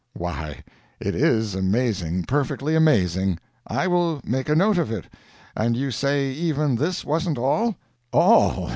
"Why, it is amazing perfectly amazing. I will make a note of it. And you say even this wasn't all?" "All!